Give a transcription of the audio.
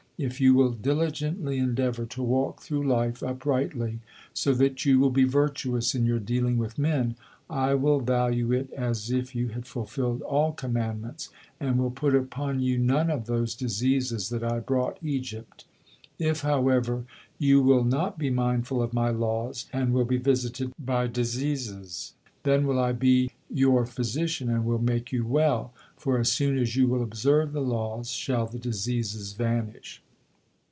If you will diligently endeavor to walk through life uprightly, so that you will be virtuous in your dealing with men, I will value it as if you had fulfilled all commandments, and will put upon you none of those diseases that I brought Egypt. If, however, you will not be mindful of My laws, and will be visited by diseases, then will I be you physician and will make you well, for as soon as you will observe the laws, shall the diseases vanish."